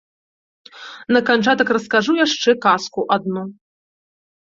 На канчатак раскажу яшчэ казку адну.